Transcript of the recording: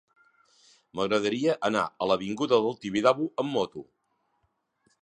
M'agradaria anar a l'avinguda del Tibidabo amb moto.